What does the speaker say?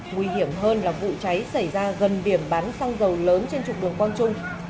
nguy hiểm hơn là vụ cháy xảy ra gần điểm bán xăng dầu lớn trên trục đường quang trung